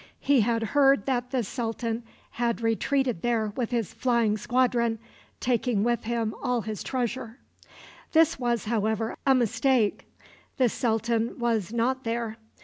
He had heard that the sultan had retreated there with his flying squadron, taking with him all his treasure. This was, however, a mistake. The sultan was not there.